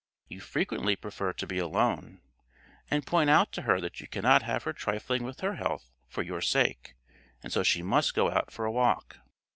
You frequently prefer to be alone, and point out to her that you cannot have her trifling with her health for your sake, and so she must go out for a walk.